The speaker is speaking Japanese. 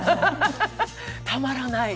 たまらない。